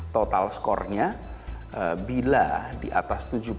total skornya bila di atas tujuh puluh maka kita bisa menurunkan